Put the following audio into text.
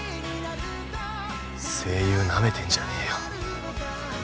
声優なめてんじゃねえよ